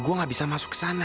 saya tidak bisa masuk ke sana